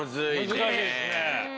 難しいっすね。